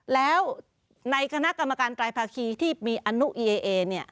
แล้วในคณะกรรมการปลายภาคีที่มีอานุอีเอเอ